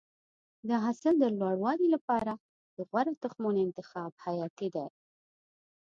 د حاصل د لوړوالي لپاره د غوره تخمونو انتخاب حیاتي دی.